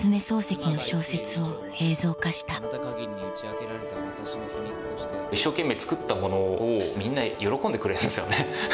漱石の小説を映像化した一生懸命作ったものをみんな喜んでくれるんですよね。